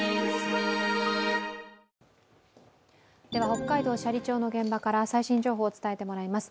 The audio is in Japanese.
北海道斜里町の現場から最新情報を伝えてもらいます。